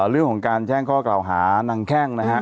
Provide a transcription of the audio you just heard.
เรื่องของการแจ้งข้อกล่าวหานางแข้งนะฮะ